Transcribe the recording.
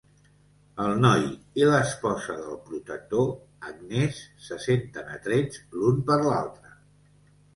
El Noi i l'esposa del Protector, Agnès, se senten atrets l'un per l'altra.